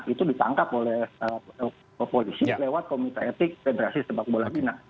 itu ditangkap oleh polisi lewat komite etik federasi sepak bola bina